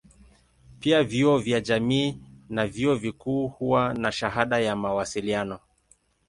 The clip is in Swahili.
Pia vyuo vya jamii na vyuo vikuu huwa na shahada ya mawasiliano.